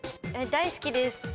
大好きです。